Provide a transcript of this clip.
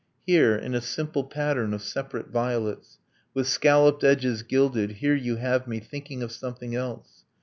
Here, in a simple pattern of separate violets With scalloped edges gilded here you have me Thinking of something else.